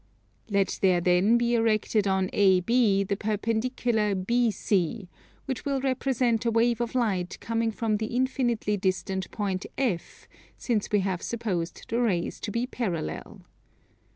Let there then be erected on AB the perpendicular BC, which will represent a wave of light coming from the infinitely distant point F, since we have supposed the rays to be parallel.